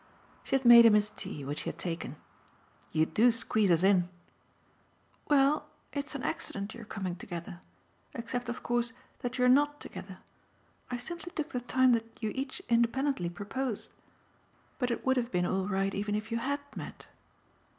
She had made him his tea, which he had taken. "You do squeeze us in!" "Well, it's an accident your coming together except of course that you're NOT together. I simply took the time that you each independently proposed. But it would have been all right even if you HAD met.